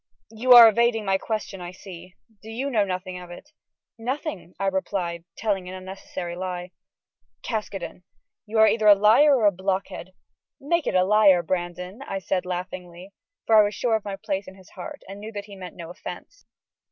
"You are evading my question, I see. Do you know nothing of it?" "Nothing," I replied, telling an unnecessary lie. "Caskoden, you are either a liar or a blockhead." "Make it a liar, Brandon," said I, laughingly, for I was sure of my place in his heart and knew that he meant no offense.